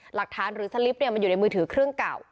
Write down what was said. หลักฐานหรือสลิปมันอยู่ในมือถือเครื่องเก่า